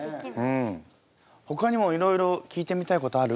ほかにもいろいろ聞いてみたいことある？